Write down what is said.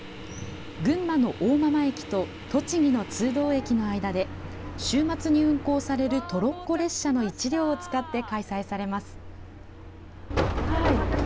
群馬の大間々駅と栃木の通洞駅の間で、週末に運行されるトロッコ列車の１両を使って開催されます。